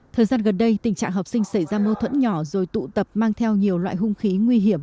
thời gian gần đây tình trạng học sinh xảy ra mâu thuẫn nhỏ rồi tụ tập mang theo nhiều loại hung khí nguy hiểm